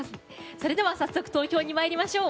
それでは早速投票に参りましょう。